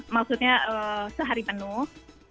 maksudnya sehari penuh